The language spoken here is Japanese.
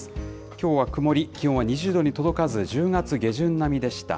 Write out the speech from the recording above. きょうは曇り、気温は２０度に届かず、１０月下旬並みでした。